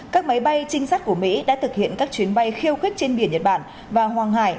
các máy bay trinh sát của mỹ đã thực hiện các chuyến bay khiêu khích trên biển nhật bản và hoàng hải